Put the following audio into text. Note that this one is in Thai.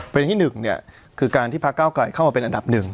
ประเด็นที่หนึ่งเนี่ยคือการที่ภาคเก้าไกลเข้ามาเป็นอันดับหนึ่ง